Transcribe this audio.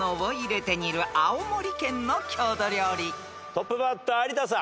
トップバッター有田さん。